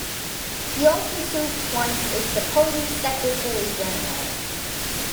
He also served twice as the party's secretary-general.